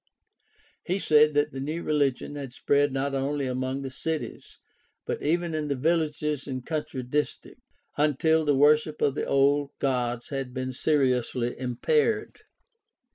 He said that the new religion had spread not only among the cities, but even in the villages and country districts, until the worship of the old gods had been seriously impaired.